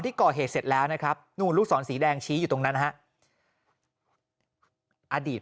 ก่อเหตุเสร็จแล้วนะครับนู่นลูกศรสีแดงชี้อยู่ตรงนั้นฮะอดีต